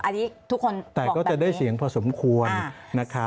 อันนี้ทุกคนแต่ก็จะได้เสียงพอสมควรนะคะ